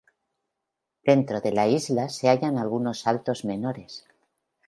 Dentro de la isla se hallan algunos saltos menores.